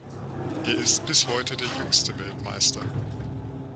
Er ist bis heute der jüngste Weltmeister.